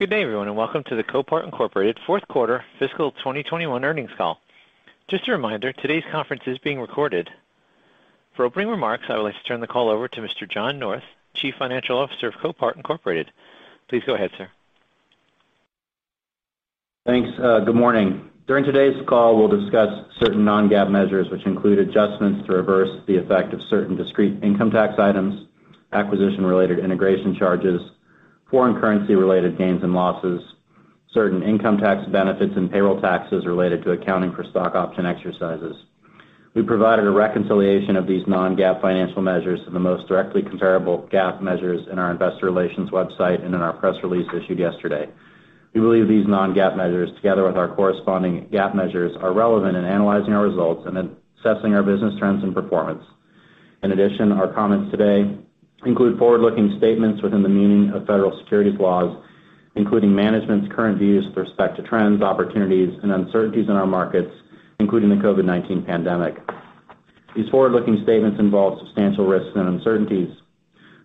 Good day everyone, and welcome to the Copart, Inc. Q4 fiscal 2021 earnings call. Just a reminder, today's conference is being recorded. For opening remarks, I would like to turn the call over to Mr. John North, Chief Financial Officer of Copart, Inc. Please go ahead, sir. Thanks. Good morning. During today's call, we'll discuss certain non-GAAP measures which include adjustments to reverse the effect of certain discrete income tax items, acquisition-related integration charges, foreign currency-related gains and losses, certain income tax benefits and payroll taxes related to accounting for stock option exercises. We provided a reconciliation of these non-GAAP financial measures to the most directly comparable GAAP measures in our investor relations website and in our press release issued yesterday. We believe these non-GAAP measures, together with our corresponding GAAP measures, are relevant in analyzing our results and assessing our business trends and performance. In addition, our comments today include forward-looking statements within the meaning of federal securities laws, including management's current views with respect to trends, opportunities, and uncertainties in our markets, including the COVID-19 pandemic. These forward-looking statements involve substantial risks and uncertainties.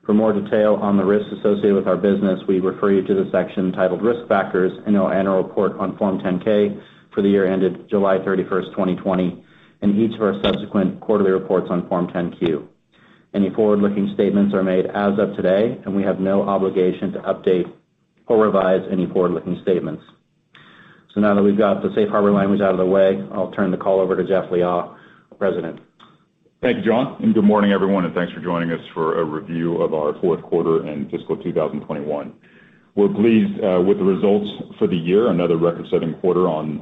For more detail on the risks associated with our business, we refer you to the section titled Risk Factors in our annual report on Form 10-K for the year ended July 31st, 2020, and each of our subsequent quarterly reports on Form 10-Q. Any forward-looking statements are made as of today, and we have no obligation to update or revise any forward-looking statements. Now that we've got the safe harbor language out of the way, I'll turn the call over to Jeff Liaw, President. Thank you, John. Good morning everyone, thanks for joining us for a review of our Q4 and fiscal 2021. We're pleased with the results for the year, another record-setting quarter on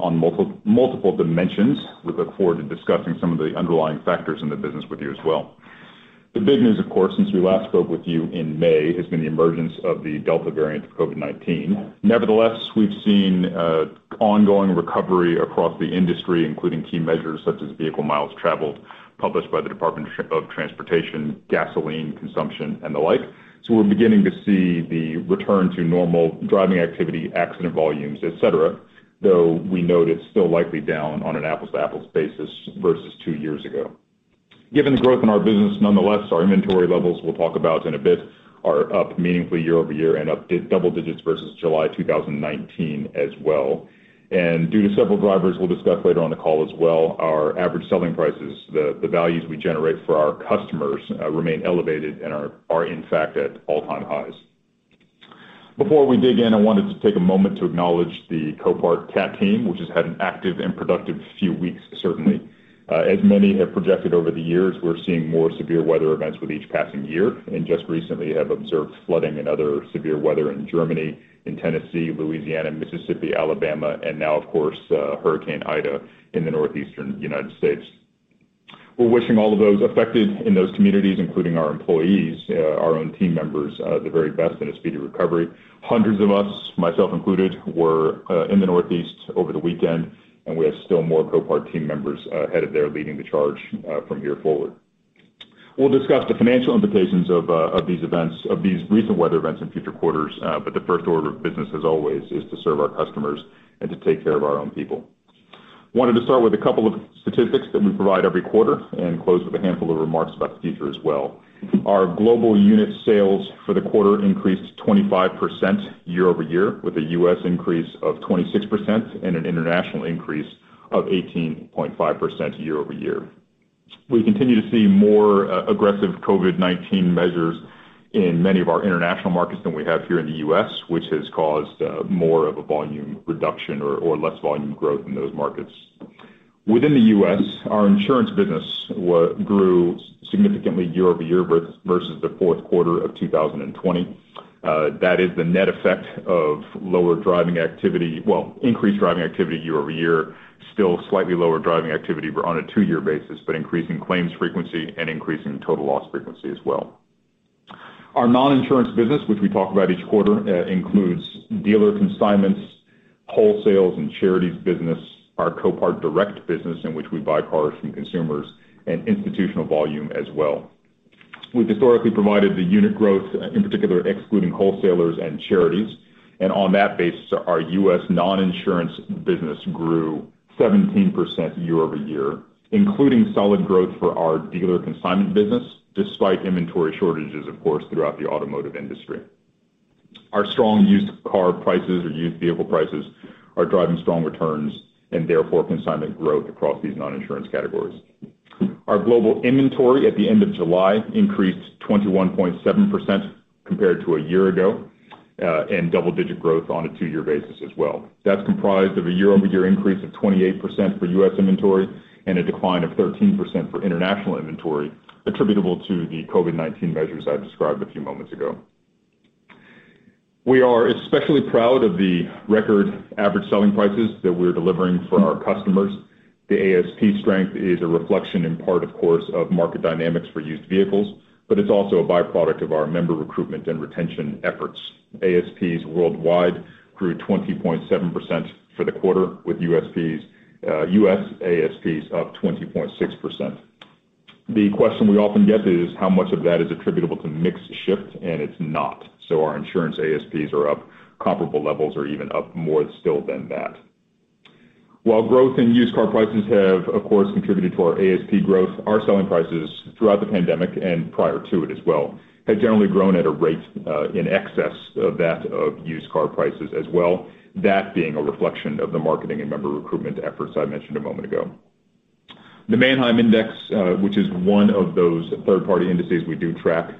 multiple dimensions. We look forward to discussing some of the underlying factors in the business with you as well. The big news, of course, since we last spoke with you in May, has been the emergence of the Delta variant of COVID-19. We've seen ongoing recovery across the industry, including key measures such as vehicle miles traveled, published by the Department of Transportation, gasoline consumption, and the like. We're beginning to see the return to normal driving activity, accident volumes, et cetera. We note it's still likely down on an apples-to-apples basis versus two years ago. Given the growth in our business, nonetheless, our inventory levels we'll talk about in a bit are up meaningfully year-over-year and up double digits versus July 2019 as well. Due to several drivers we'll discuss later on the call as well, our average selling prices, the values we generate for our customers remain elevated and are in fact at all-time highs. Before we dig in, I wanted to take a moment to acknowledge the Copart CAT team, which has had an active and productive few weeks, certainly. As many have projected over the years, we're seeing more severe weather events with each passing year, and just recently have observed flooding and other severe weather in Germany, in Tennessee, Louisiana, Mississippi, Alabama, and now of course, Hurricane Ida in the Northeastern U.S. We're wishing all of those affected in those communities, including our employees, our own team members, the very best in a speedy recovery. Hundreds of us, myself included, were in the Northeast over the weekend, and we have still more Copart team members headed there leading the charge from here forward. We'll discuss the financial implications of these recent weather events in future quarters. The first order of business, as always, is to serve our customers and to take care of our own people. We wanted to start with a couple of statistics that we provide every quarter and close with a handful of remarks about the future as well. Our global unit sales for the quarter increased 25% year-over-year, with a U.S. increase of 26% and an international increase of 18.5% year-over-year. We continue to see more aggressive COVID-19 measures in many of our international markets than we have here in the U.S., which has caused more of a volume reduction or less volume growth in those markets. Within the U.S., our insurance business grew significantly year-over-year versus the Q4 of 2020. That is the net effect of increased driving activity year-over-year, still slightly lower driving activity on a two-year basis, but increasing claims frequency and increasing total loss frequency as well. Our non-insurance business, which we talk about each quarter, includes dealer consignments, wholesales and charities business, our Copart Direct business, in which we buy cars from consumers, and institutional volume as well. We've historically provided the unit growth, in particular, excluding wholesalers and charities. On that basis, our U.S. non-insurance business grew 17% year-over-year, including solid growth for our dealer consignment business, despite inventory shortages, of course, throughout the automotive industry. Our strong used car prices or used vehicle prices are driving strong returns and therefore consignment growth across these non-insurance categories. Our global inventory at the end of July increased 21.7% compared to a year ago, and double-digit growth on a two-year basis as well. That's comprised of a year-over-year increase of 28% for U.S. inventory and a decline of 13% for international inventory attributable to the COVID-19 measures I described a few moments ago. We are especially proud of the record Average Selling Prices that we're delivering for our customers. The ASP strength is a reflection in part, of course, of market dynamics for used vehicles, but it's also a byproduct of our member recruitment and retention efforts. ASPs worldwide grew 20.7% for the quarter, with U.S. ASPs up 20.6%. The question we often get is how much of that is attributable to mix shift, and it's not. Our insurance ASPs are up comparable levels or even up more still than that. While growth in used car prices have, of course, contributed to our ASP growth, our selling prices throughout the pandemic and prior to it as well, have generally grown at a rate in excess of that of used car prices as well, that being a reflection of the marketing and member recruitment efforts I mentioned a moment ago. The Manheim Index, which is one of those third-party indices we do track,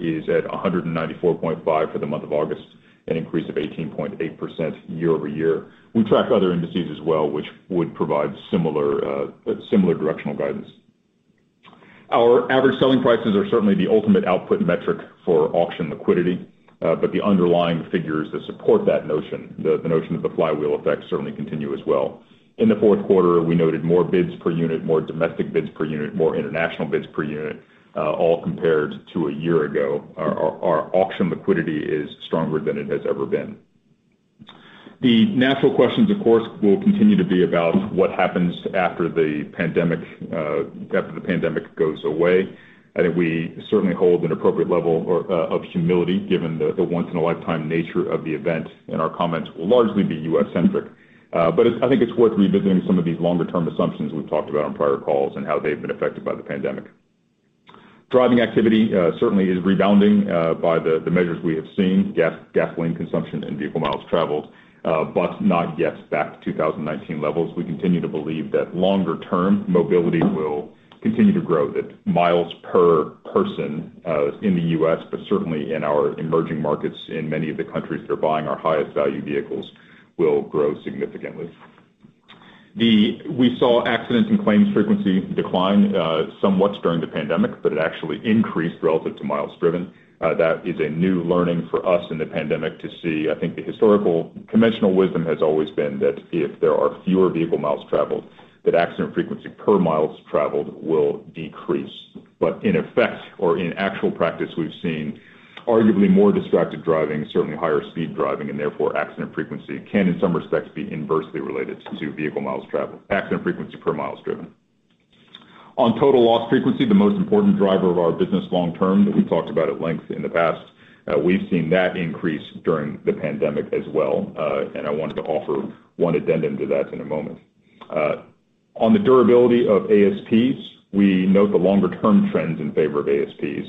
is at 194.5 for the month of August, an increase of 18.8% year-over-year. We track other indices as well, which would provide similar directional guidance. Our Average Selling Prices are certainly the ultimate output metric for auction liquidity. The underlying figures that support that notion, the notion of the flywheel effect, certainly continue as well. In the Q4, we noted more bids per unit, more domestic bids per unit, more international bids per unit, all compared to a year ago. Our auction liquidity is stronger than it has ever been. The natural questions, of course, will continue to be about what happens after the pandemic goes away. I think we certainly hold an appropriate level of humility given the once in a lifetime nature of the event, and our comments will largely be U.S.-centric. I think it's worth revisiting some of these longer-term assumptions we've talked about on prior calls and how they've been affected by the pandemic. Driving activity certainly is rebounding, by the measures we have seen, gasoline consumption and vehicle miles traveled, but not yet back to 2019 levels. We continue to believe that longer-term mobility will continue to grow, that miles per person in the U.S., but certainly in our emerging markets in many of the countries that are buying our highest value vehicles, will grow significantly. We saw accidents and claims frequency decline, somewhat during the pandemic, but it actually increased relative to miles driven. That is a new learning for us in the pandemic to see. I think the historical conventional wisdom has always been that if there are fewer vehicle miles traveled, that accident frequency per miles traveled will decrease. In effect, or in actual practice, we've seen arguably more distracted driving, certainly higher speed driving, and therefore, accident frequency can in some respects be inversely related to vehicle miles traveled, accident frequency per miles driven. On total loss frequency, the most important driver of our business long term that we've talked about at length in the past, we've seen that increase during the pandemic as well. I wanted to offer one addendum to that in a moment. On the durability of ASPs, we note the longer term trends in favor of ASPs.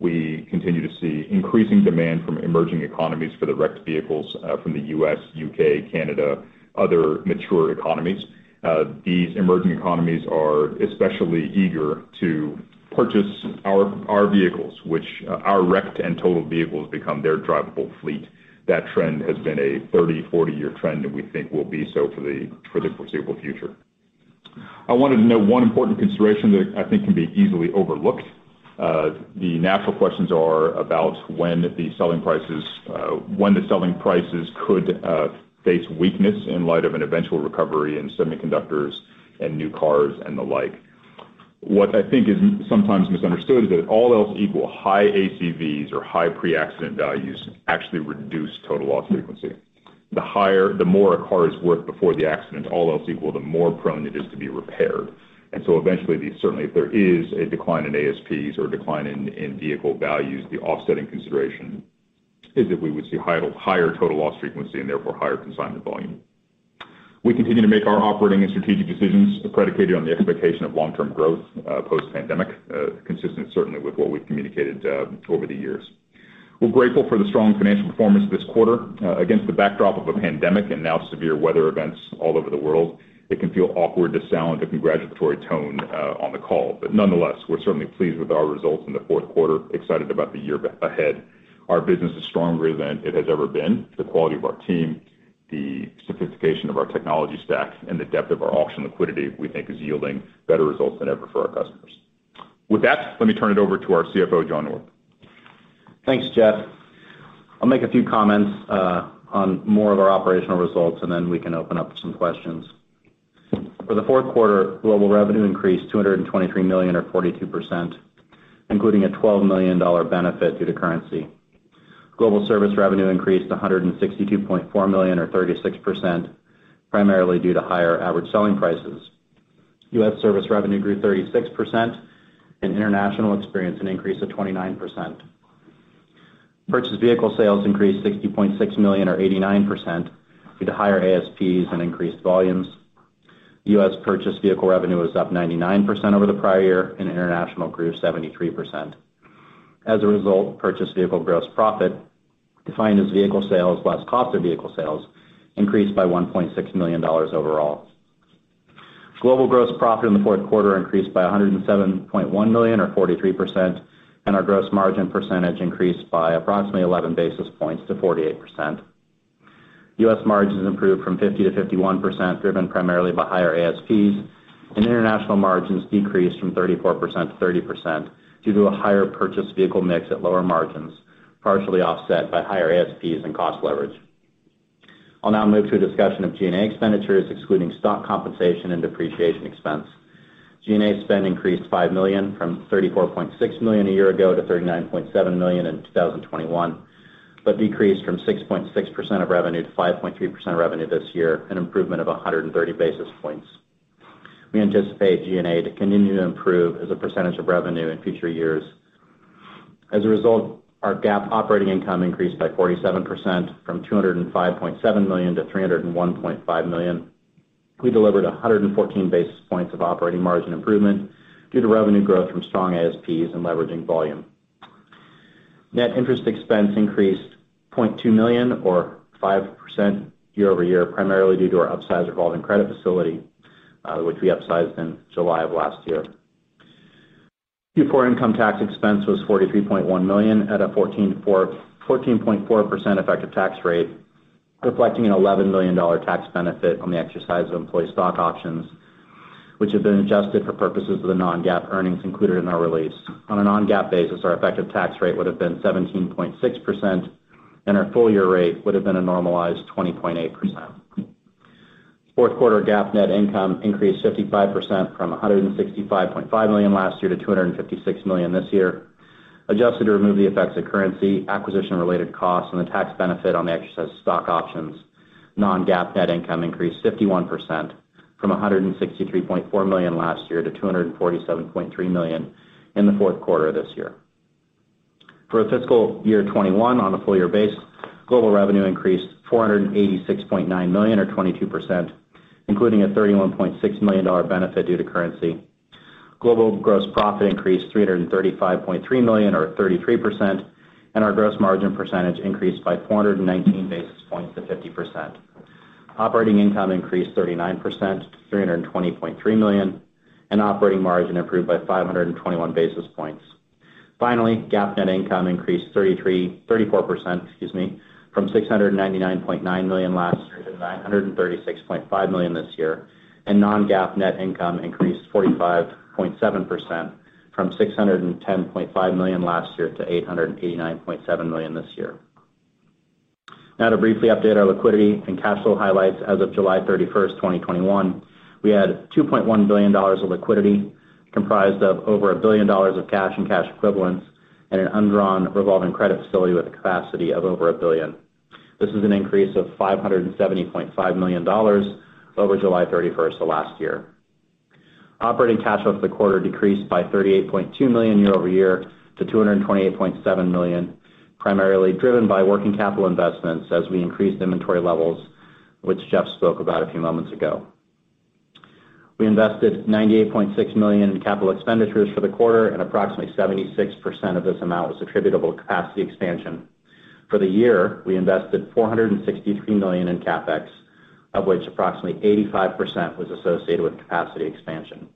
We continue to see increasing demand from emerging economies for the wrecked vehicles from the U.S., U.K., Canada, other mature economies. These emerging economies are especially eager to purchase our vehicles, which our wrecked and totaled vehicles become their drivable fleet. That trend has been a 30, 40-year trend that we think will be so for the foreseeable future. I wanted to note one important consideration that I think can be easily overlooked. The natural questions are about when the selling prices could face weakness in light of an eventual recovery in semiconductors and new cars and the like. What I think is sometimes misunderstood is that all else equal, high ACVs or high pre-accident values actually reduce total loss frequency. The more a car is worth before the accident, all else equal, the more prone it is to be repaired. Eventually, certainly if there is a decline in ASPs or a decline in vehicle values, the offsetting consideration is that we would see higher total loss frequency and therefore higher consignment volume. We continue to make our operating and strategic decisions predicated on the expectation of long-term growth post-pandemic, consistent certainly with what we've communicated over the years. We're grateful for the strong financial performance this quarter. Against the backdrop of a pandemic and now severe weather events all over the world, it can feel awkward to sound a congratulatory tone on the call. Nonetheless, we're certainly pleased with our results in the Q4, excited about the year ahead. Our business is stronger than it has ever been. The quality of our team, the sophistication of our technology stack, and the depth of our auction liquidity, we think is yielding better results than ever for our customers. With that, let me turn it over to our CFO, John North. Thanks, Jeff. I'll make a few comments on more of our operational results, and then we can open up some questions. For the Q4, global revenue increased $223 million or 42%, including a $12 million benefit due to currency. Global service revenue increased to $162.4 million or 36%, primarily due to higher average selling prices. U.S. service revenue grew 36%, and international experienced an increase of 29%. Purchased vehicle sales increased $60.6 million or 89% due to higher ASPs and increased volumes. U.S. purchased vehicle revenue was up 99% over the prior year, and international grew 73%. As a result, purchased vehicle gross profit, defined as vehicle sales less cost of vehicle sales, increased by $1.6 million overall. Global gross profit in the Q4 increased by $107.1 million or 43%, and our gross margin percentage increased by approximately 11 basis points to 48%. U.S. margins improved from 50% to 51%, driven primarily by higher ASPs, and international margins decreased from 34%-30% due to a higher purchased vehicle mix at lower margins, partially offset by higher ASPs and cost leverage. I'll now move to a discussion of G&A expenditures excluding stock compensation and depreciation expense. G&A spend increased $5 million from $34.6 million a year ago to $39.7 million in 2021, but decreased from 6.6% of revenue to 5.3% of revenue this year, an improvement of 130 basis points. We anticipate G&A to continue to improve as a percentage of revenue in future years. As a result, our GAAP operating income increased by 47%, from $205.7 million-$301.5 million. We delivered 114 basis points of operating margin improvement due to revenue growth from strong ASPs and leveraging volume. Net interest expense increased $0.2 million or 5% year-over-year, primarily due to our upsized revolving credit facility, which we upsized in July of last year. Before income tax expense was $43.1 million at a 14.4% effective tax rate, reflecting an $11 million tax benefit on the exercise of employee stock options, which have been adjusted for purposes of the non-GAAP earnings included in our release. On a non-GAAP basis, our effective tax rate would have been 17.6%, our full-year rate would have been a normalized 20.8%. Q4 GAAP net income increased 55% from $165.5 million last year to $256 million this year. Adjusted to remove the effects of currency, acquisition-related costs, and the tax benefit on the exercise of stock options, non-GAAP net income increased 51% from $163.4 million last year to $247.3 million in the Q4 of this year. For fiscal year 2021 on a full-year basis, global revenue increased $486.9 million or 22%, including a $31.6 million benefit due to currency. Global gross profit increased $335.3 million or 33%, and our gross margin percentage increased by 419 basis points to 50%. Operating income increased 39% to $320.3 million, and operating margin improved by 521 basis points. Finally, GAAP net income increased 34%, from $699.9 million last year to $936.5 million this year, and non-GAAP net income increased 45.7%, from $610.5 million last year to $889.7 million this year. Now to briefly update our liquidity and cash flow highlights. As of July 31st, 2021, we had $2.1 billion of liquidity comprised of over $1 billion of cash and cash equivalents and an undrawn revolving credit facility with a capacity of over $1 billion. This is an increase of $570.5 million over July 31st of last year. Operating cash flow for the quarter decreased by $38.2 million year-over-year to $228.7 million, primarily driven by working capital investments as we increased inventory levels, which Jeff spoke about a few moments ago. We invested $98.6 million in capital expenditures for the quarter, approximately 76% of this amount was attributable to capacity expansion. For the year, we invested $463 million in CapEx, of which approximately 85% was associated with capacity expansion.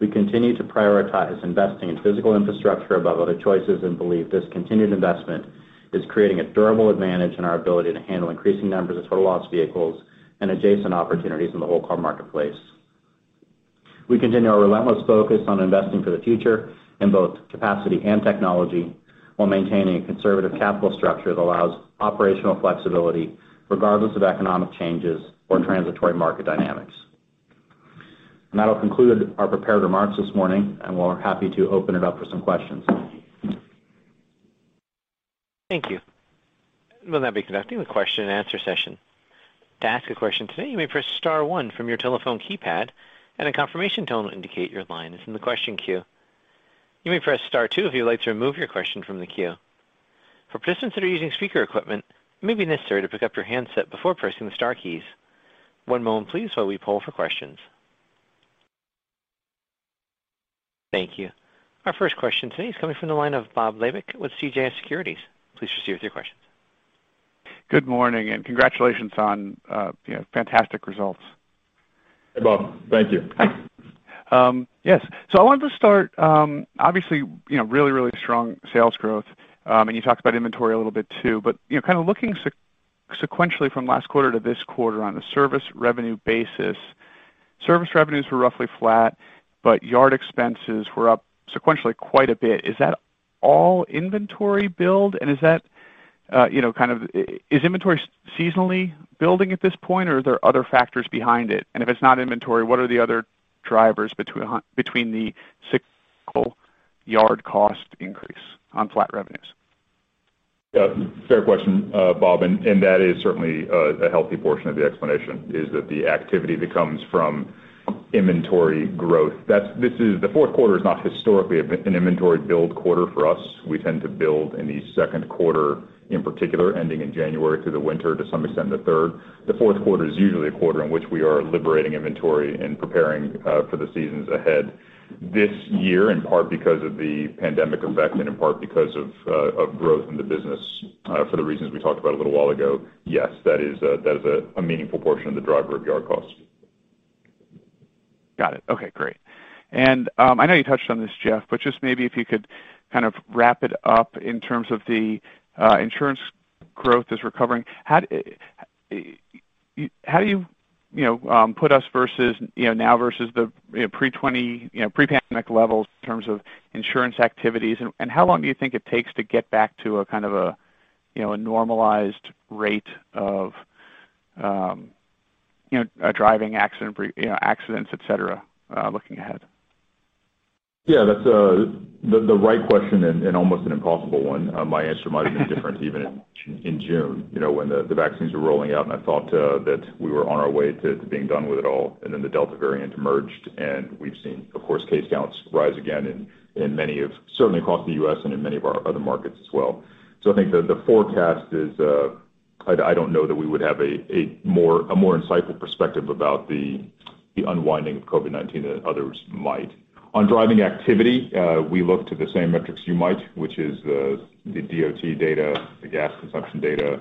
We continue to prioritize investing in physical infrastructure above other choices and believe this continued investment is creating a durable advantage in our ability to handle increasing numbers of total loss vehicles and adjacent opportunities in the whole car marketplace. We continue our relentless focus on investing for the future in both capacity and technology while maintaining a conservative capital structure that allows operational flexibility regardless of economic changes or transitory market dynamics. That'll conclude our prepared remarks this morning, and we're happy to open it up for some questions. Thank you. We'll now be conducting the question and answer session. To ask a question today, you may press star one from your telephone keypad, and a confirmation tone will indicate your line is in the question queue. You may press star two if you'd like to remove your question from the queue. For participants that are using speaker equipment, it may be necessary to pick up your handset before pressing the star keys. One moment please while we poll for questions. Thank you. Our first question today is coming from the line of Bob Labick with CJS Securities. Please proceed with your questions. Good morning, and congratulations on fantastic results. Hey, Bob. Thank you. Hi. Yes. I wanted to start, obviously, really strong sales growth, and you talked about inventory a little bit too, but kind of looking sequentially from last quarter to this quarter on a service revenue basis, service revenues were roughly flat, but yard expenses were up sequentially quite a bit. Is that all inventory build? Is inventory seasonally building at this point, or are there other factors behind it? If it's not inventory, what are the other drivers between the cyclical yard cost increase on flat revenues? Yeah, fair question, Bob Labick. That is certainly a healthy portion of the explanation is that the activity that comes from inventory growth. The Q4 is not historically an inventory build quarter for us. We tend to build in the Q2, in particular ending in January through the winter to some extent the third. The Q4 is usually a quarter in which we are liberating inventory and preparing for the seasons ahead. This year, in part because of the pandemic effect and in part because of growth in the business for the reasons we talked about a little while ago, yes, that is a meaningful portion of the driver of yard costs. Got it. Okay, great. I know you touched on this, Jeff, but just maybe if you could kind of wrap it up in terms of the insurance growth is recovering. How do you put us versus now versus the pre-2020, pre-pandemic levels in terms of insurance activities, and how long do you think it takes to get back to a kind of a normalized rate of driving accidents, et cetera, looking ahead? Yeah, that's the right question and almost an impossible one. My answer might have been different even in June when the vaccines were rolling out and I thought that we were on our way to being done with it all, and then the Delta variant emerged and we've seen, of course, case counts rise again certainly across the U.S. and in many of our other markets as well. I think the forecast is I don't know that we would have a more insightful perspective about the unwinding of COVID-19 than others might. On driving activity, we look to the same metrics you might, which is the dot data, the gas consumption data.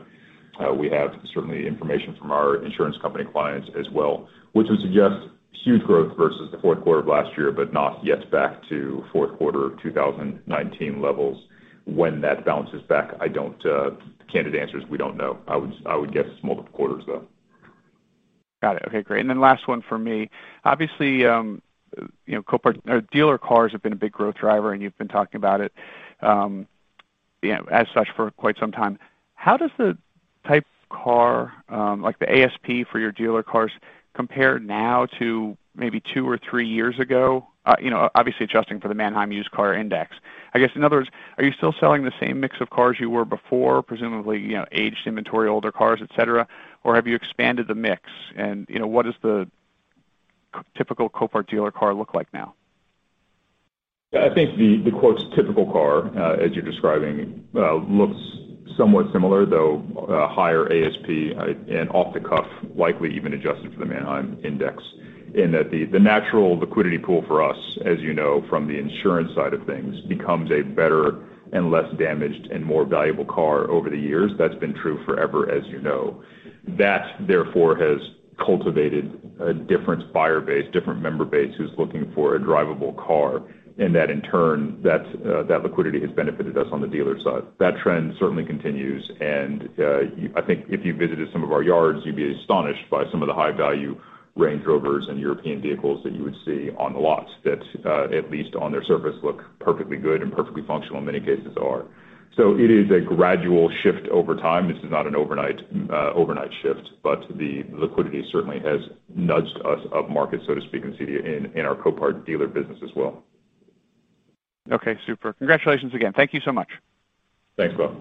We have certainly information from our insurance company clients as well, which would suggest huge growth versus the Q4 of last year, but not yet back to Q4 of 2019 levels. When that balances back, the candid answer is we don't know. I would guess multiple quarters, though. Got it. Okay, great. Last one from me. Obviously, dealer cars have been a big growth driver, and you've been talking about it as such for quite some time. How does the type of car, like the ASP for your dealer cars compare now to maybe two or three years ago? Obviously adjusting for the Manheim Used Vehicle Value Index. I guess, in other words, are you still selling the same mix of cars you were before, presumably aged inventory, older cars, et cetera, or have you expanded the mix? What does the typical Copart dealer car look like now? I think the quotes typical car as you're describing looks somewhat similar, though a higher ASP and off the cuff, likely even adjusted for the Manheim Index, in that the natural liquidity pool for us, as you know from the insurance side of things, becomes a better and less damaged and more valuable car over the years. That's been true forever, as you know. That, therefore, has cultivated a different buyer base, different member base, who's looking for a drivable car. That in turn, that liquidity has benefited us on the dealer side. That trend certainly continues, and I think if you visited some of our yards, you'd be astonished by some of the high-value Range Rovers and European vehicles that you would see on the lot that, at least on their surface, look perfectly good and perfectly functional, in many cases are. It is a gradual shift over time. This is not an overnight shift, but the liquidity certainly has nudged us up market, so to speak, in our Copart dealer business as well. Okay, super. Congratulations again. Thank you so much. Thanks, Bob.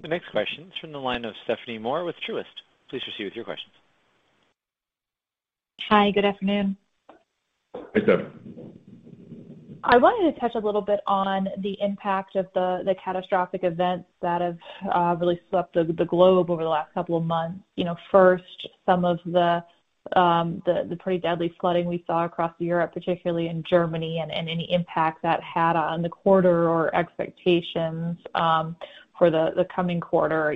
The next question is from the line of Stephanie Moore with Truist. Please proceed with your questions. Hi, good afternoon. Hi, Stephanie. I wanted to touch a little bit on the impact of the catastrophic events that have really swept the globe over the last couple of months. Some of the pretty deadly flooding we saw across Europe, particularly in Germany, and any impact that had on the quarter or expectations for the coming quarter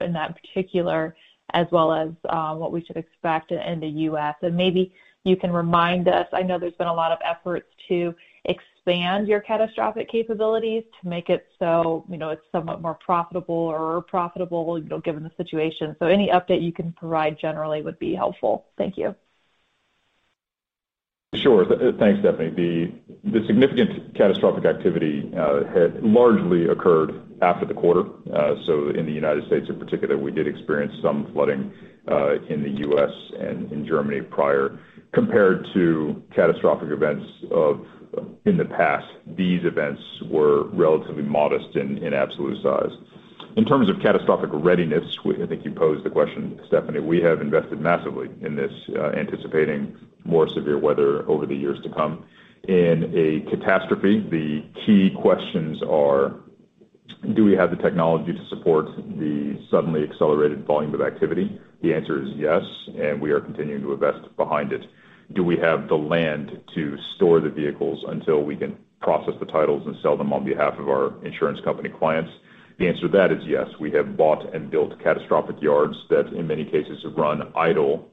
in that particular, as well as what we should expect in the U.S. Maybe you can remind us, I know there's been a lot of efforts to expand your catastrophic capabilities to make it so it's somewhat more profitable or profitable given the situation. Any update you can provide generally would be helpful. Thank you. Thanks, Stephanie. Significant catastrophic activity had largely occurred after the quarter. In the United States in particular, we did experience some flooding in the U.S. and in Germany prior. Compared to catastrophic events in the past, these events were relatively modest in absolute size. In terms of catastrophic readiness, I think you posed the question, Stephanie, we have invested massively in this anticipating more severe weather over the years to come. In a catastrophe, the key questions are, do we have the technology to support the suddenly accelerated volume of activity? The answer is yes, and we are continuing to invest behind it. Do we have the land to store the vehicles until we can process the titles and sell them on behalf of our insurance company clients? The answer to that is yes. We have bought and built catastrophic yards that, in many cases, have run idle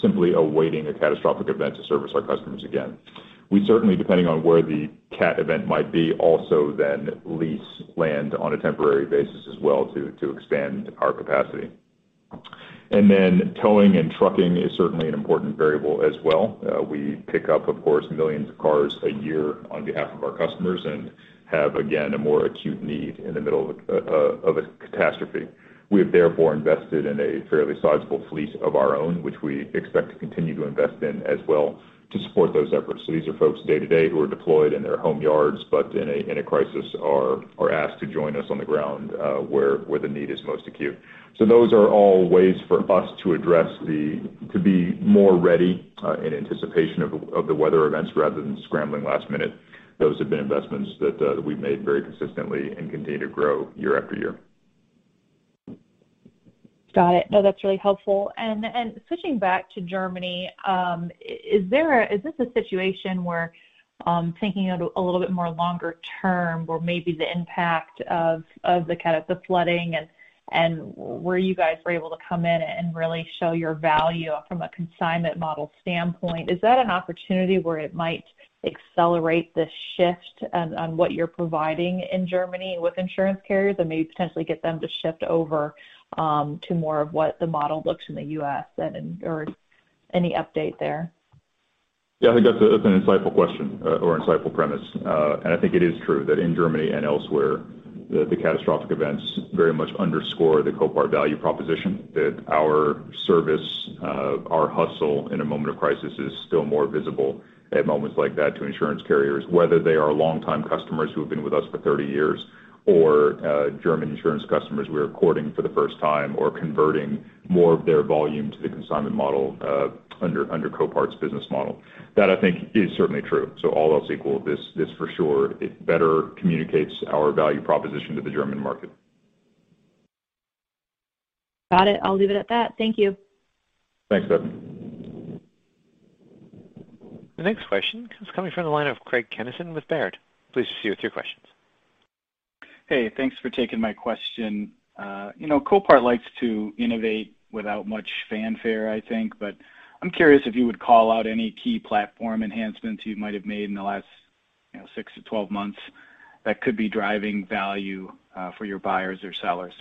simply awaiting a catastrophic event to service our customers again. We certainly, depending on where the CAT event might be, also then lease land on a temporary basis as well to expand our capacity. Towing and trucking is certainly an important variable as well. We pick up, of course, millions of cars a year on behalf of our customers and have, again, a more acute need in the middle of a catastrophe. We have therefore invested in a fairly sizable fleet of our own, which we expect to continue to invest in as well to support those efforts. These are folks day-to-day who are deployed in their home yards, but in a crisis are asked to join us on the ground where the need is most acute. Those are all ways for us to address to be more ready in anticipation of the weather events rather than scrambling last minute. Those have been investments that we've made very consistently and continue to grow year after year. Got it. No, that's really helpful. Switching back to Germany, is this a situation where thinking a little bit more longer term or maybe the impact of the flooding and where you guys were able to come in and really show your value from a consignment model standpoint, is that an opportunity where it might accelerate the shift on what you're providing in Germany with insurance carriers and maybe potentially get them to shift over to more of what the model looks in the U.S. then, or any update there? Yeah, I think that's an insightful question or insightful premise. I think it is true that in Germany and elsewhere, the catastrophic events very much underscore the Copart value proposition that our service, our hustle in a moment of crisis is still more visible at moments like that to insurance carriers, whether they are longtime customers who have been with us for 30 years or German insurance customers we're courting for the first time or converting more of their volume to the consignment model under Copart's business model. That I think is certainly true. All else equal, this for sure, it better communicates our value proposition to the German market. Got it. I'll leave it at that. Thank you. Thanks, Stephanie. The next question is coming from the line of Craig Kennison with Baird. Please proceed with your questions. Hey, thanks for taking my question. Copart likes to innovate without much fanfare, I think, but I'm curious if you would call out any key platform enhancements you might have made in the last six months-12 months that could be driving value for your buyers or sellers.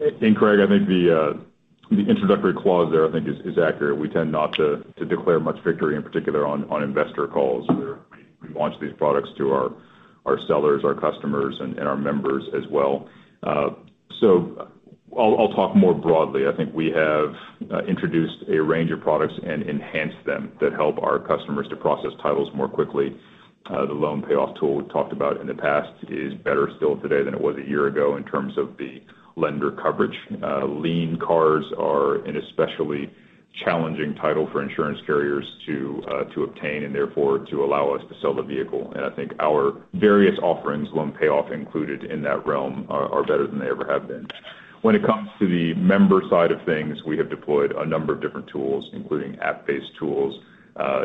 I think, Craig, I think the introductory clause there, I think, is accurate. We tend not to declare much victory, in particular on investor calls, where we launch these products to our sellers, our customers, and our members as well. I'll talk more broadly. I think we have introduced a range of products and enhanced them that help our customers to process titles more quickly. The Loan Payoff tool we've talked about in the past is better still today than it was a year ago in terms of the lender coverage. Lien cars are an especially challenging title for insurance carriers to obtain and therefore to allow us to sell the vehicle. I think our various offerings, Loan Payoff included in that realm, are better than they ever have been. When it comes to the member side of things, we have deployed a number of different tools, including app-based tools,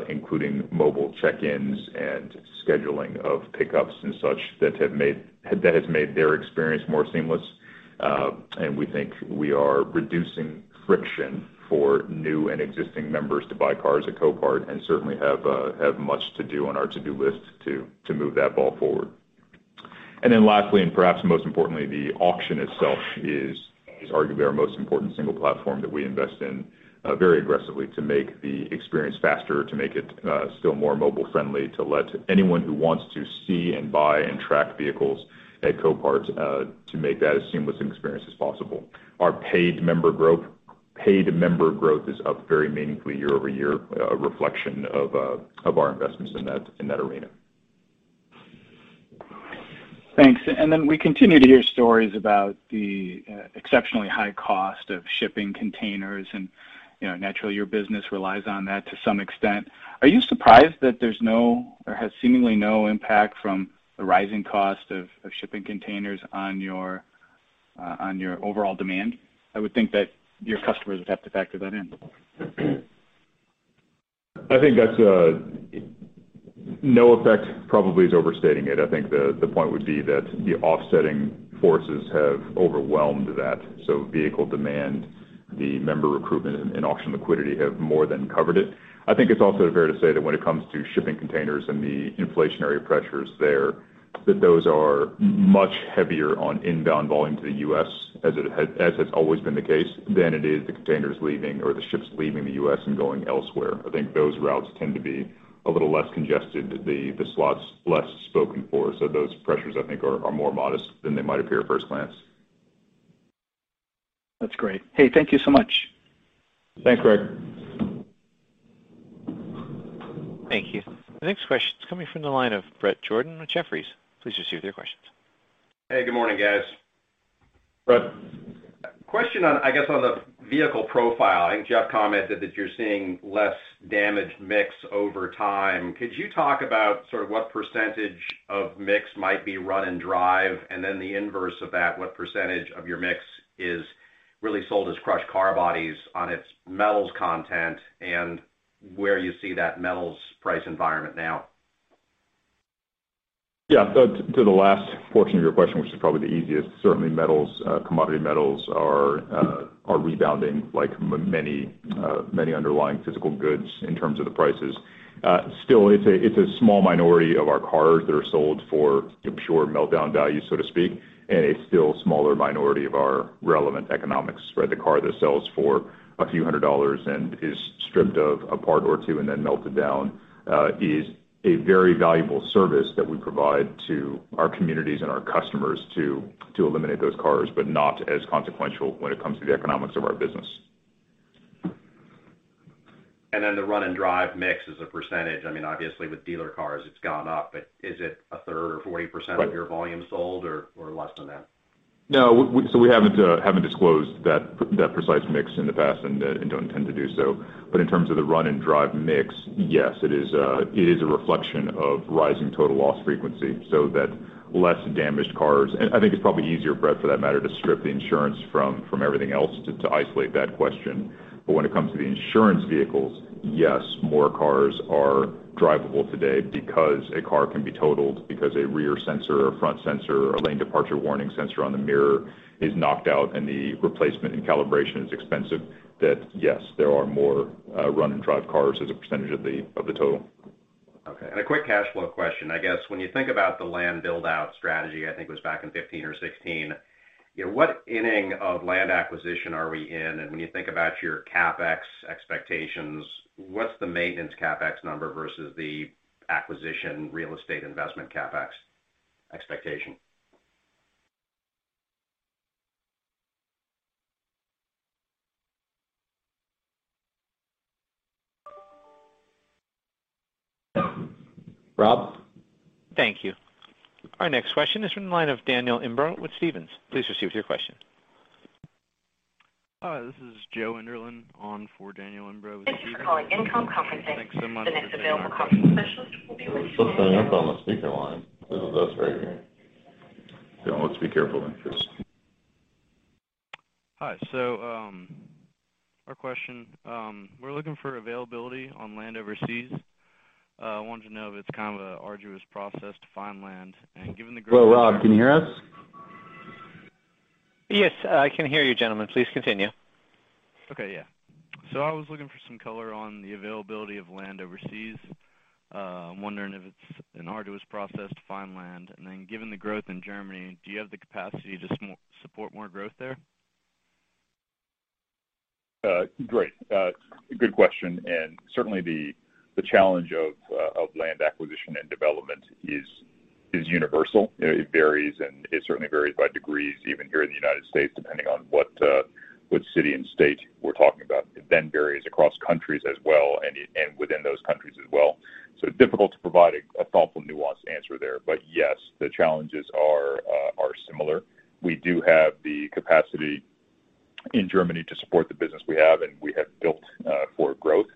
including mobile check-ins and scheduling of pickups and such that has made their experience more seamless. We think we are reducing friction for new and existing members to buy cars at Copart, and certainly have much to do on our to-do list to move that ball forward. Lastly, perhaps most importantly, the auction itself is arguably our most important single platform that we invest in very aggressively to make the experience faster, to make it still more mobile-friendly, to let anyone who wants to see and buy and track vehicles at Copart to make that as seamless an experience as possible. Our paid member growth is up very meaningfully year-over-year, a reflection of our investments in that arena. Thanks. We continue to hear stories about the exceptionally high cost of shipping containers and naturally your business relies on that to some extent. Are you surprised that there is no, or has seemingly no impact from the rising cost of shipping containers on your overall demand? I would think that your customers would have to factor that in. I think that's a no effect probably is overstating it. I think the point would be that the offsetting forces have overwhelmed that. Vehicle demand, the member recruitment, and auction liquidity have more than covered it. I think it's also fair to say that when it comes to shipping containers and the inflationary pressures there, that those are much heavier on inbound volume to the U.S. as has always been the case, than it is the containers leaving or the ships leaving the U.S. and going elsewhere. I think those routes tend to be a little less congested, the slots less spoken for. Those pressures, I think, are more modest than they might appear at first glance. That's great. Hey, thank you so much. Thanks, Craig. Thank you. The next question is coming from the line of Bret Jordan with Jefferies. Please proceed with your questions. Hey, good morning, guys. Brett. Question on, I guess, on the vehicle profile. I think Jeff commented that you're seeing less damaged mix over time. Could you talk about sort of what percentage of mix might be run and drive? The inverse of that, what percentage of your mix is really sold as crushed car bodies on its metals content and where you see that metals price environment now? To the last portion of your question, which is probably the easiest. Certainly metals, commodity metals are rebounding like many underlying physical goods in terms of the prices. Still, it's a small minority of our cars that are sold for pure meltdown value, so to speak, and a still smaller minority of our relevant economics. The car that sells for a few hundred dollars and is stripped of a part or two and then melted down is a very valuable service that we provide to our communities and our customers to eliminate those cars, but not as consequential when it comes to the economics of our business. The run and drive mix as a percentage. I mean, obviously with dealer cars, it's gone up, but is it a third or 40% of your volume sold or less than that? No. We haven't disclosed that precise mix in the past and don't intend to do so. In terms of the run and drive mix, yes, it is a reflection of rising total loss frequency, so that less damaged cars. I think it's probably easier, Bret, for that matter, to strip the insurance from everything else to isolate that question. When it comes to the insurance vehicles, yes, more cars are drivable today because a car can be totaled because a rear sensor, a front sensor, a lane departure warning sensor on the mirror is knocked out and the replacement and calibration is expensive. That yes, there are more run and drive cars as a percentage of the total. Okay. A quick cash flow question. I guess when you think about the land build-out strategy, I think it was back in 2015 or 2016, what inning of land acquisition are we in? When you think about your CapEx expectations, what's the maintenance CapEx number versus the acquisition real estate investment CapEx expectation? Rob? Thank you. Our next question is from the line of Daniel Imbro with Stephens. Please proceed with your question. Hi, this is Joe Enderlin on for Daniel Imbro this evening. Thank you for calling Income Consulting. The next available customer specialist will be with you shortly. Still standing up on the speaker line. This is us right here. Yeah, let's be careful then, Chris. Hi. Our question, we're looking for availability on land overseas. I wanted to know if it's kind of an arduous process to find land and given the growth. Hello? Bob Labick, can you hear us? Yes, I can hear you, gentlemen. Please continue. Okay. Yeah. I was looking for some color on the availability of land overseas. I'm wondering if it's an arduous process to find land. Given the growth in Germany, do you have the capacity to support more growth there? Great. Good question. Certainly the challenge of land acquisition and development is universal. It varies, and it certainly varies by degrees even here in the U.S., depending on what city and state we're talking about. It varies across countries as well, and within those countries as well. Difficult to provide a thoughtful, nuanced answer there. Yes, the challenges are similar. We do have the capacity in Germany to support the business we have, and we have built for growth.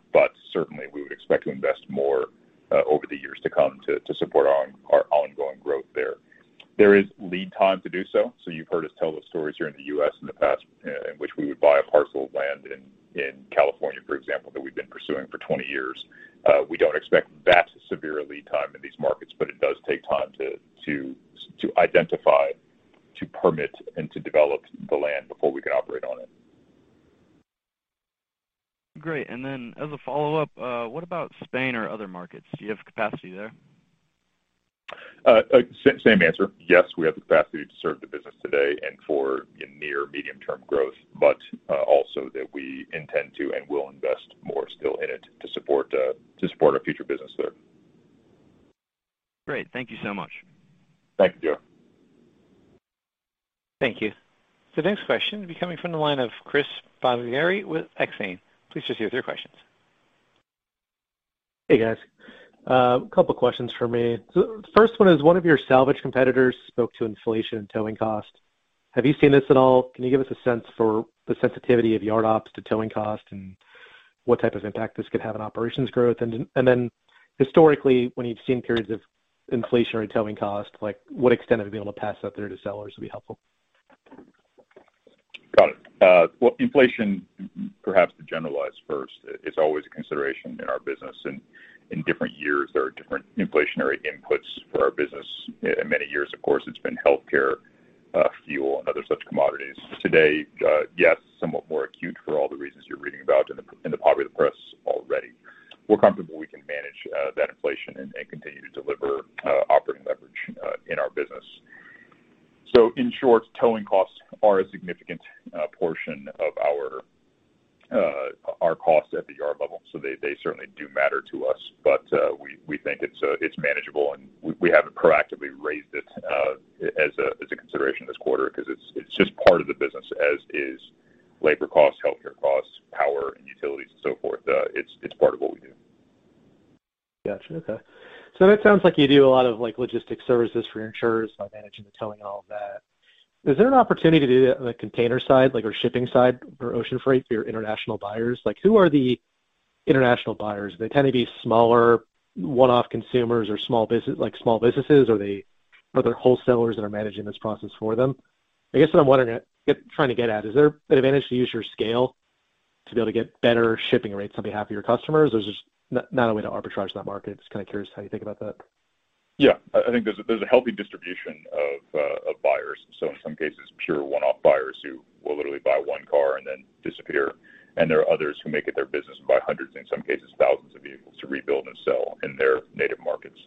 Certainly we would expect to invest more over the years to come to support our ongoing growth there. There is lead time to do so. You've heard us tell those stories here in the U.S. in the past, in which we would buy a parcel of land in California, for example, that we'd been pursuing for 20 years. We don't expect that severe a lead time in these markets, but it does take time to identify, to permit, and to develop the land before we can operate on it. Great. As a follow-up, what about Spain or other markets? Do you have capacity there? Same answer. Yes, we have the capacity to serve the business today and for near medium-term growth, but also that we intend to and will invest more still in it to support our future business there. Great. Thank you so much. Thank you, Joe. Thank you. The next question will be coming from the line of Chris Bottiglieri with Exane. Please proceed with your questions. Hey, guys. A couple questions for me. First one is, one of your salvage competitors spoke to inflation and towing cost. Have you seen this at all? Can you give us a sense for the sensitivity of yard ops to towing cost and what type of impact this could have on operations growth? Historically, when you've seen periods of inflationary towing cost, what extent have you been able to pass that through to sellers would be helpful? Got it. Well, inflation, perhaps to generalize first, is always a consideration in our business and in different years there are different inflationary inputs for our business. In many years, of course, it's been healthcare, fuel, and other such commodities. Today, yes, somewhat more acute for all the reasons you're reading about in the popular press already. We're comfortable we can manage that inflation and continue to deliver operating leverage in our business. In short, towing costs are a significant portion of our costs at the yard level. They certainly do matter to us. We think it's manageable and we haven't proactively raised it as a consideration this quarter because it's just part of the business, as is labor costs, healthcare costs, power and utilities and so forth. It's part of what we do. Got you. Okay. It sounds like you do a lot of logistics services for your insurers by managing the towing and all of that. Is there an opportunity to do that on the container side or shipping side for ocean freight for your international buyers? Who are the international buyers? Do they tend to be smaller one-off consumers or small businesses? Are there wholesalers that are managing this process for them? I guess what I'm trying to get at, is there an advantage to use your scale to be able to get better shipping rates on behalf of your customers? Is this not a way to arbitrage that market? Just kind of curious how you think about that. Yeah, I think there's a healthy distribution of buyers. In some cases, pure one-off buyers who will literally buy one car and then disappear. There are others who make it their business and buy hundreds, in some cases thousands, of vehicles to rebuild and sell in their native markets.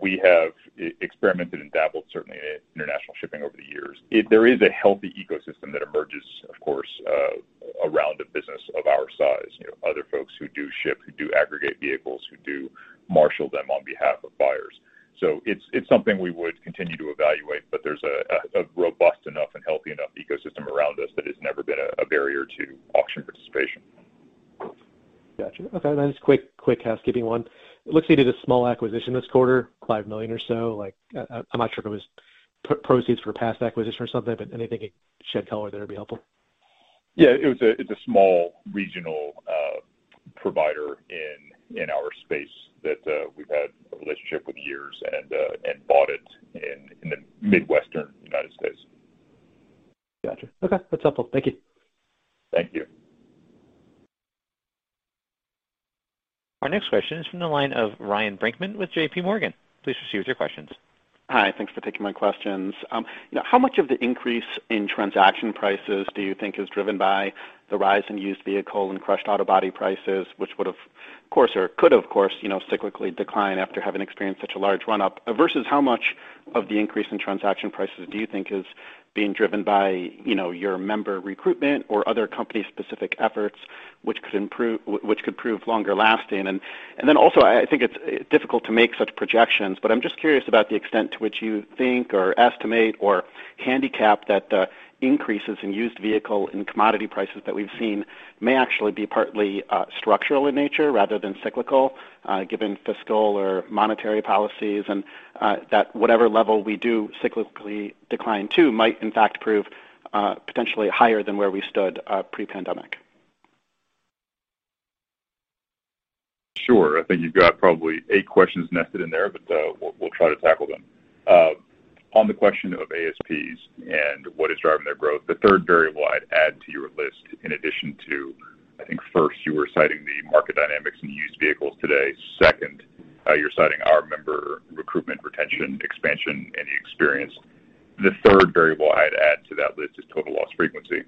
We have experimented and dabbled certainly in international shipping over the years. There is a healthy ecosystem that emerges, of course, around a business of our size, other folks who do ship, who do aggregate vehicles, who do marshal them on behalf of buyers. It's something we would continue to evaluate, but there's a robust enough and healthy enough ecosystem around us that it's never been a barrier to auction participation. Got you. Okay, just a quick housekeeping one. It looks like you did a small acquisition this quarter, $5 million or so. I am not sure if it was proceeds for a past acquisition or something, anything you can shed color there would be helpful. Yeah. It's a small regional provider in our space that we've had a relationship with years and bought it in the Midwestern U.S. Got you. Okay, that's helpful. Thank you. Thank you. Our next question is from the line of Ryan Brinkman with JPMorgan. Please proceed with your questions. Hi, thanks for taking my questions. How much of the increase in transaction prices do you think is driven by the rise in used vehicle and crushed auto body prices, which would have, of course, or could of course, cyclically decline after having experienced such a large run-up, versus how much of the increase in transaction prices do you think is being driven by your member recruitment or other company-specific efforts which could prove longer lasting? Also, I think it's difficult to make such projections, but I'm just curious about the extent to which you think or estimate or handicap that the increases in used vehicle and commodity prices that we've seen may actually be partly structural in nature rather than cyclical, given fiscal or monetary policies, and that whatever level we do cyclically decline to might in fact prove potentially higher than where we stood pre-pandemic. I think you've got probably eight questions nested in there, but we'll try to tackle them. On the question of ASPs and what is driving their growth, the third variable I'd add to your list in addition to, I think first you were citing the market dynamics in used vehicles today. Second, you're citing our member recruitment, retention, expansion, and experience. The third variable I'd add to that list is total loss frequency,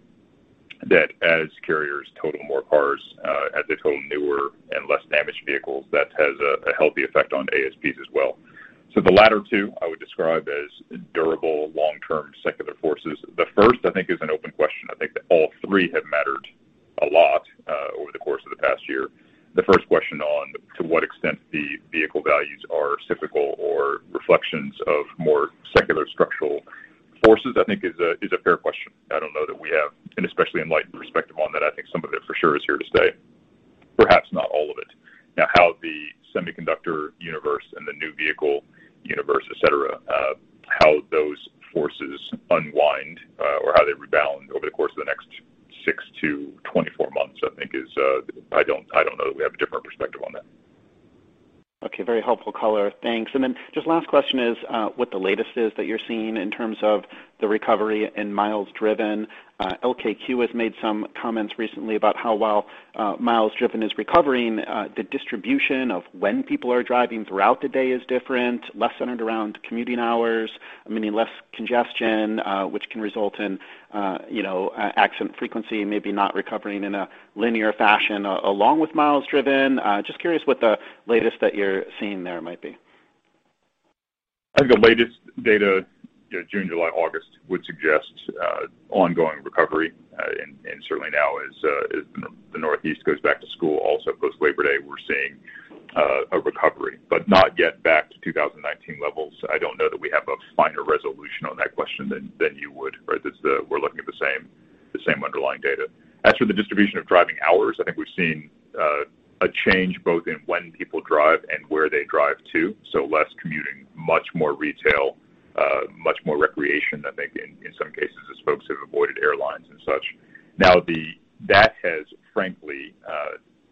that as carriers total more cars, as they total newer and less damaged vehicles, that has a healthy effect on ASPs as well. So the latter two I would describe as durable, long-term secular forces. The first, I think, is an open question. I think that all three have mattered a lot over the course of the past year. The first question on to what extent the vehicle values are cyclical or reflections of more secular structural forces, I think is a fair question. I don't know that we have, and especially in light of perspective on that, I think some of it for sure is here to stay. Perhaps not all of it. How the semiconductor universe and the new vehicle universe, et cetera, how those forces unwind or how they rebound over the course of the next 6-24 months, I don't know that we have a different perspective on that. Okay. Very helpful color. Thanks. Just last question is what the latest is that you're seeing in terms of the recovery in miles driven. LKQ has made some comments recently about how while miles driven is recovering, the distribution of when people are driving throughout the day is different, less centered around commuting hours, meaning less congestion, which can result in accident frequency maybe not recovering in a linear fashion along with miles driven. Just curious what the latest that you're seeing there might be. I think the latest data, June, July, August would suggest ongoing recovery, and certainly now as the Northeast goes back to school also post Labor Day, we're seeing a recovery. Not yet back to 2019 levels. I don't know that we have a finer resolution on that question than you would. We're looking at the same underlying data. As for the distribution of driving hours, I think we've seen a change both in when people drive and where they drive to. Less commuting, much more retail, much more recreation, I think, in some cases as folks have avoided airlines and such. Now that has frankly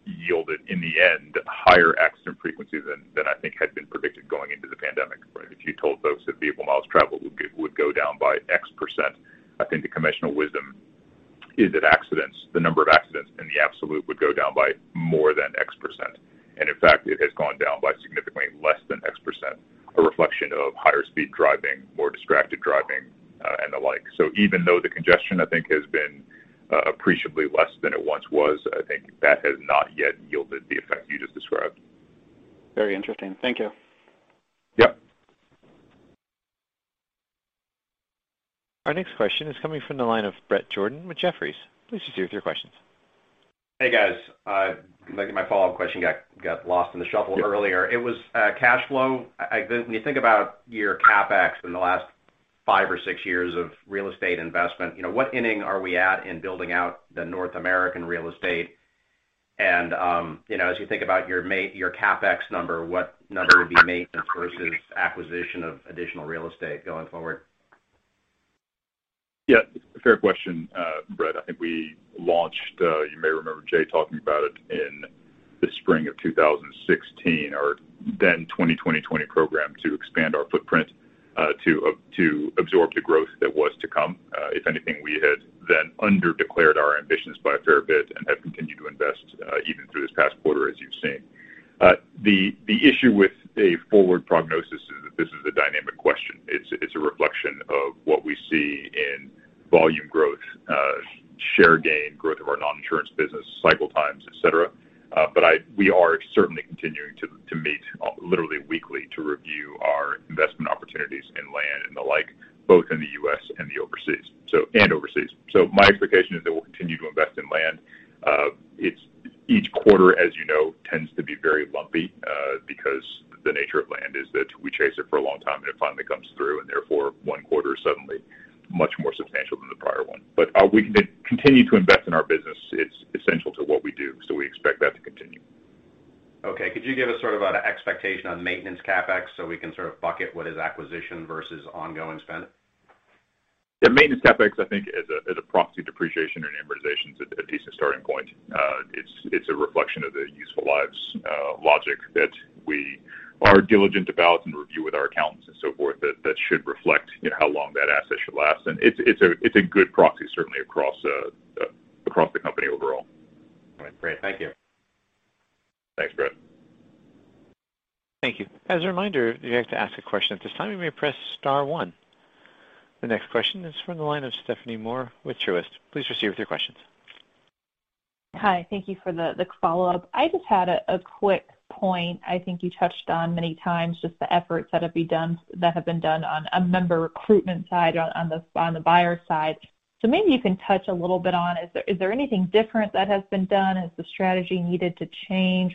yielded, in the end, higher accident frequency than I think had been predicted going into the pandemic. If you told folks that vehicle miles traveled would go down by X%, I think the conventional wisdom is that the number of accidents in the absolute would go down by more than X%. In fact, it has gone down by significantly less than X%, a reflection of higher speed driving, more distracted driving, and the like. Even though the congestion, I think, has been appreciably less than it once was, I think that has not yet yielded the effect you just described. Very interesting. Thank you. Yep. Our next question is coming from the line of Bret Jordan with Jefferies. Please proceed with your questions. Hey, guys. My follow-up question got lost in the shuffle earlier. It was cash flow. When you think about your CapEx in the last five or six years of real estate investment, what inning are we at in building out the North American real estate? As you think about your CapEx number, what number would be maintenance versus acquisition of additional real estate going forward? Yeah, fair question, Bret. I think we launched, you may remember Jay talking about it in the spring of 2016, our then 2020 program to expand our footprint to absorb the growth that was to come. If anything, we had then underdeclared our ambitions by a fair bit and have continued to invest even through this past quarter, as you've seen. The issue with a forward prognosis is that this is a dynamic question. It's a reflection of what we see in volume growth, share gain, growth of our non-insurance business, cycle times, et cetera. We are certainly continuing to meet literally weekly to review our investment opportunities in land and the like, both in the U.S. and overseas. My expectation is that we'll continue to invest in land. Each quarter, as you know, tends to be very lumpy because the nature of land is that we chase it for a long time, and it finally comes through, and therefore one quarter is suddenly much more substantial than the prior one. We continue to invest in our business. It's essential to what we do, so we expect that to continue. Okay. Could you give us sort of an expectation on maintenance CapEx so we can sort of bucket what is acquisition versus ongoing spend? Yeah. Maintenance CapEx, I think, as a proxy depreciation or amortization's a decent starting point. It's a reflection of the useful lives logic that we are diligent about and review with our accountants and so forth that should reflect how long that asset should last. It's a good proxy, certainly across the company overall. All right. Great. Thank you. Thanks, Bret. Thank you. As a reminder, if you'd like to ask a question at this time, you may press star one. The next question is from the line of Stephanie Moore with Truist. Please proceed with your questions. Hi. Thank you for the follow-up. I just had a quick point. I think you touched on many times just the efforts that have been done on a member recruitment side, on the buyer side. Maybe you can touch a little bit on, is there anything different that has been done? Has the strategy needed to change?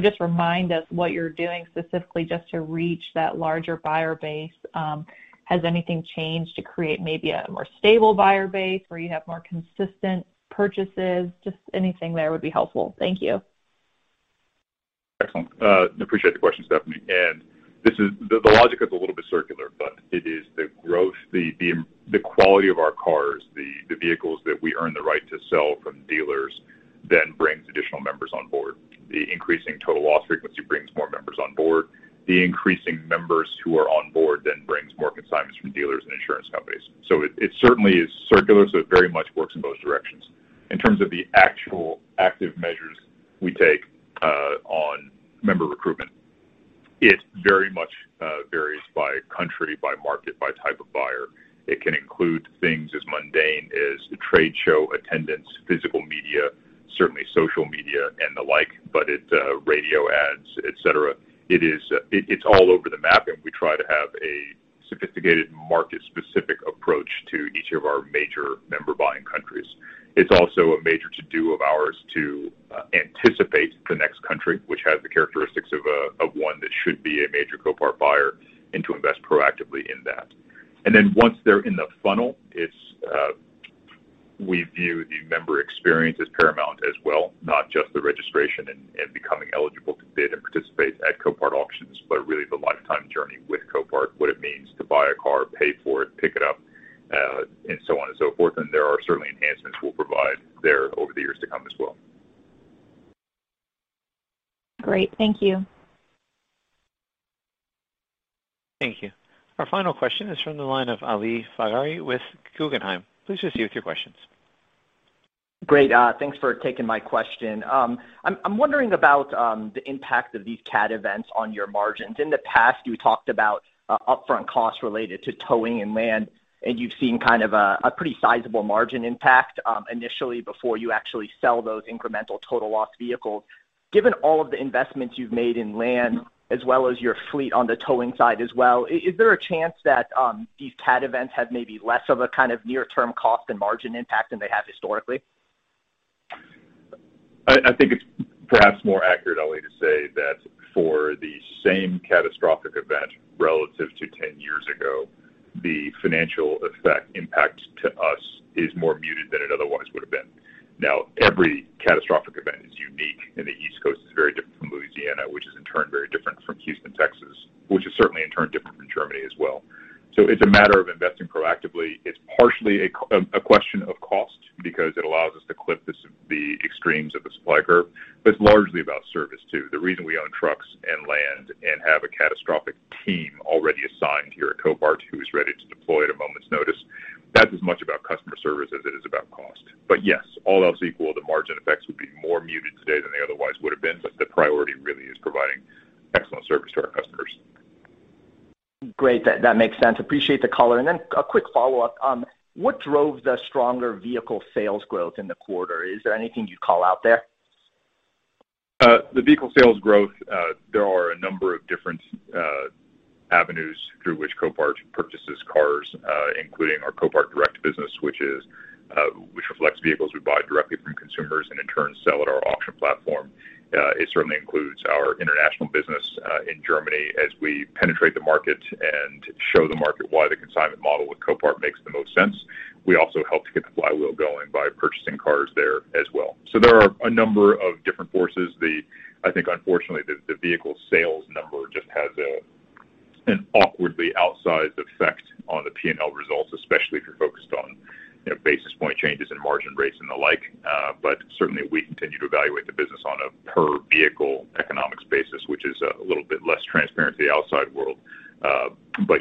Just remind us what you're doing specifically just to reach that larger buyer base. Has anything changed to create maybe a more stable buyer base where you have more consistent purchases? Just anything there would be helpful. Thank you. Excellent. Appreciate the question, Stephanie Moore. The logic is a little bit circular, but it is the growth, the quality of our cars, the vehicles that we earn the right to sell from dealers then brings additional members on board. The increasing total loss frequency brings more members on board. The increasing members who are on board then brings more consignments from dealers and insurance companies. It certainly is circular, so it very much works in both directions. In terms of the actual active measures we take on member recruitment, it very much varies by country, by market, by type of buyer. It can include things as mundane as trade show attendance, physical media, certainly social media and the like, but radio ads, et cetera. It's all over the map, and we try to have a sophisticated market-specific approach to each of our major member buying countries. It's also a major to-do of ours to anticipate the next country, which has the characteristics of one that should be a major Copart buyer and to invest proactively in that. Once they're in the funnel, we view the member experience as paramount as well, not just the registration and becoming eligible to bid and participate at Copart auctions, but really the lifetime journey with Copart, what it means to buy a car, pay for it, pick it up, and so on and so forth, and there are certainly enhancements we'll provide there over the years to come as well. Great. Thank you. Thank you. Our final question is from the line of Ali Faghri with Guggenheim. Please proceed with your questions. Great. Thanks for taking my question. I'm wondering about the impact of these cat events on your margins. In the past, you talked about upfront costs related to towing and land, and you've seen kind of a pretty sizable margin impact initially before you actually sell those incremental total loss vehicles. Given all of the investments you've made in land, as well as your fleet on the towing side as well, is there a chance that these cat events have maybe less of a kind of near-term cost and margin impact than they have historically? I think it's perhaps more accurate, Ali Faghri, to say that for the same catastrophic event relative to 10 years ago, the financial effect impact to us is more muted than it otherwise would've been. Every catastrophic event is unique, and the East Coast is very different from Louisiana, which is in turn very different from Houston, Texas, which is certainly in turn different from Germany as well. It's a matter of investing proactively. It's partially a question of cost because it allows us to clip the extremes of the supply curve, but it's largely about service, too. The reason we own trucks and land and have a catastrophic team already assigned here at Copart who is ready to deploy at a moment's notice, that's as much about customer service as it is about cost. Yes, all else equal, the margin effects would be more muted today than they otherwise would have been. The priority really is providing excellent service to our customers. Great. That makes sense. Appreciate the color. Then a quick follow-up. What drove the stronger vehicle sales growth in the quarter? Is there anything you'd call out there? The vehicle sales growth. There are a number of different avenues through which Copart purchases cars, including our Copart Direct business, which reflects vehicles we buy directly from consumers and in turn sell at our auction platform. It certainly includes our international business in Germany as we penetrate the market and show the market why the consignment model with Copart makes the most sense. We also help to get the flywheel going by purchasing cars there as well. There are a number of different forces. I think unfortunately, the vehicle sales number just has an awkwardly outsized effect on the P&L results, especially if you're focused on basis point changes and margin rates and the like. Certainly we continue to evaluate the business on a per vehicle economics basis, which is a little bit less transparent to the outside world.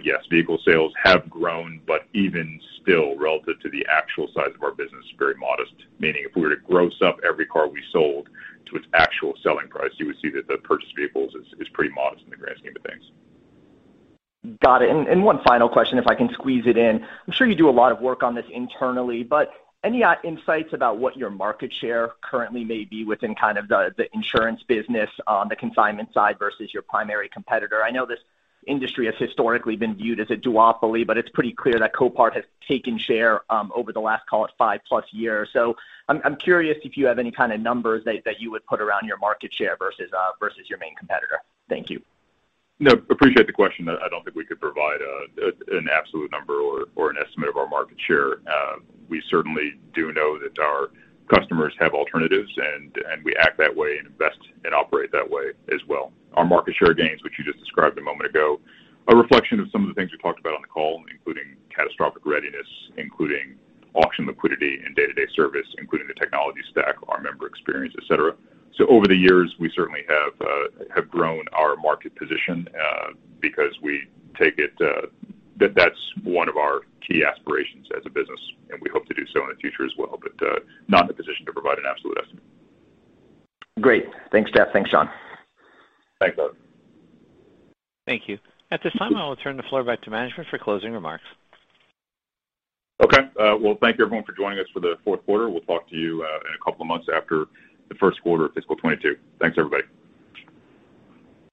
Yes, vehicle sales have grown, but even still, relative to the actual size of our business, very modest. Meaning if we were to gross up every car we sold to its actual selling price, you would see that the purchase vehicles is pretty modest in the grand scheme of things. Got it. One final question, if I can squeeze it in. I'm sure you do a lot of work on this internally, any insights about what your market share currently may be within kind of the insurance business on the consignment side versus your primary competitor? I know this industry has historically been viewed as a duopoly, it's pretty clear that Copart has taken share over the last, call it, 5+ years. I'm curious if you have any kind of numbers that you would put around your market share versus your main competitor. Thank you. No, appreciate the question. I don't think we could provide an absolute number or an estimate of our market share. We certainly do know that our customers have alternatives, and we act that way, and invest and operate that way as well. Our market share gains, which you just described a moment ago, are a reflection of some of the things we talked about on the call, including catastrophic readiness, including auction liquidity and day-to-day service, including the technology stack, our member experience, et cetera. Over the years, we certainly have grown our market position because we take it that that's one of our key aspirations as a business, and we hope to do so in the future as well. Not in a position to provide an absolute estimate. Great. Thanks, Jeff. Thanks, John. Thanks, Ali. Thank you. At this time, I will turn the floor back to management for closing remarks. Okay. Well, thank you, everyone, for joining us for the Q4. We'll talk to you in a couple of months after the Q1 of fiscal 2022. Thanks, everybody.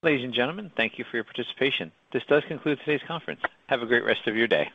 Ladies and gentlemen, thank you for your participation. This does conclude today's conference. Have a great rest of your day.